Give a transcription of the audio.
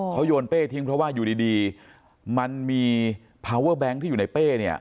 เขาโยนเป้ทิ้งเพราะว่าอยู่ดีมันมีพาวเวอร์แบงค์ที่อยู่ในเป้เนี่ย